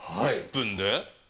１分で？